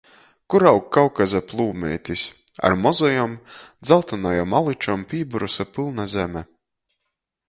Kur aug Kaukaza plūmeitis — ar mozajom, dzaltonajom aličom pībyruse pylna zeme.